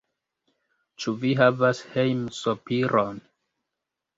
Ĉu vi havas hejmsopiron?